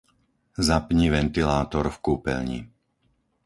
Zapni ventilátor v kúpeľni.